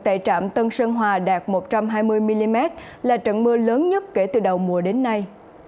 tại trạm tân sơn hòa đạt một trăm hai mươi mm là trận mưa lớn nhất kể từ đầu mùa đến nay